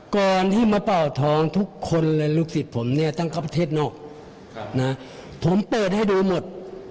ก่อนที่มาเป่าทองทุกคนเลยลูกศิษย์ผมเนี่ยต้องเข้าประเทศนอกนะผมเปิดให้ดูหมด